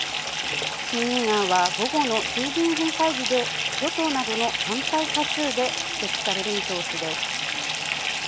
不信任案は午後の衆議院本会議で与党などの反対多数で否決される見通しです。